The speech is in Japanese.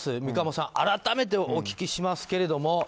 三鴨さん、改めてお聞きしますけれども。